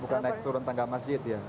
bukan naik turun tangga masjid ya